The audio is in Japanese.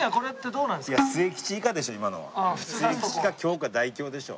末吉か凶か大凶でしょ。